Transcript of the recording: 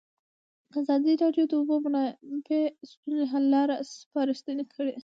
ازادي راډیو د د اوبو منابع د ستونزو حل لارې سپارښتنې کړي.